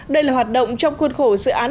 đây là hoạt động trong khuôn khổ dự án